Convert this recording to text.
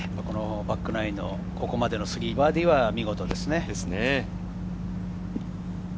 バックナインのここまでの３バーディーは見事ですね。